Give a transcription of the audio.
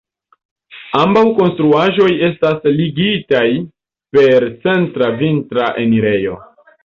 Ambaŭ konstruaĵoj estas ligitaj per centra vitra enirejo.